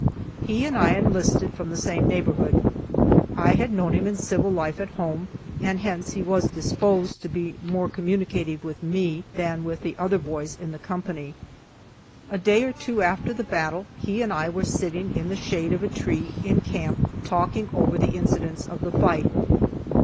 He and I enlisted from the same neighborhood. I had known him in civil life at home, and hence he was disposed to be more communicative with me than with the other boys of the company. A day or two after the battle he and I were sitting in the shade of a tree, in camp, talking over the incidents of the fight.